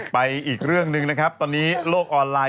ไปอีกเรื่องนึงว่าตอนนี้โลกออนไลน์